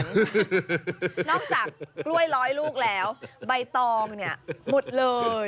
นอกจากกล้วยร้อยลูกแล้วใบตองเนี่ยหมดเลย